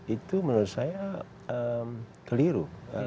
itu menurut saya keliru